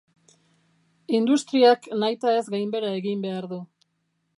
Industriak nahitaez gainbehera egin behar du.